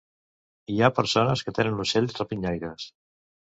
Hi ha persones que tenen ocells rapinyaires.